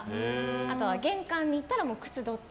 あとは玄関に行ったら靴、どっち？